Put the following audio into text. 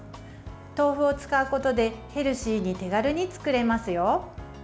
豆腐を使うことでヘルシーに手軽に作れますよ。